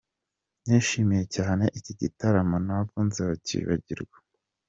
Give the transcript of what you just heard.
Nishimye cyane, iki gitaramo ntabwo nzacyibagirwa.